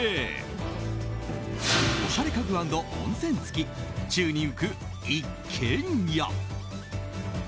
おしゃれ家具＆温泉付き宙に浮く一軒家。